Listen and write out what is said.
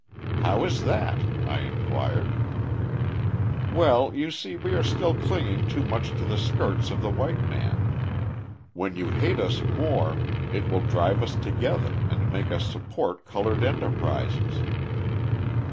"How is that?" I inquired. "Well, you see we are still clinging too much to the skirts of the white man. When you hate us more it will drive us together and make us support coloured enterprises."